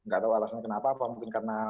gak tau alasnya kenapa mungkin karena